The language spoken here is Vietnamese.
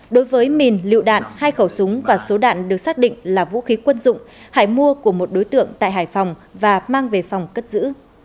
đối với mìn lựu đạn hai khẩu súng và số đạn được xác định là vũ khí quân dụng hải mua của một đối tượng tại hải phòng và mang về phòng cất giữ